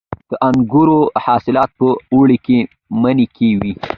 د انګورو حاصلات په اوړي او مني کې وي.